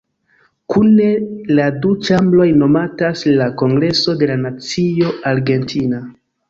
Kune la du ĉambroj nomatas la "Kongreso de la Nacio Argentina".